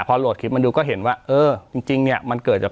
พอโหลดคลิปมันดูก็เห็นว่าเออจริงเนี่ยมันเกิดจาก